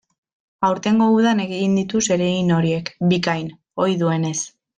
Aurtengo udan egin ditu zeregin horiek, bikain, ohi duenez.